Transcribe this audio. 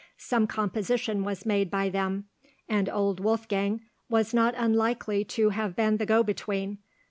Some composition was made by them, and old Wolfgang was not unlikely to have been the go between.